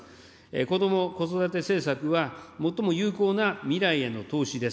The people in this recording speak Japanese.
こども・子育て政策は、最も有効な未来への投資です。